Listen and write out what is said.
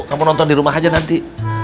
kamu nonton di rumah aja nanti